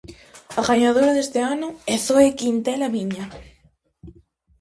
A gañadora deste ano é Zoe Quintela Viña.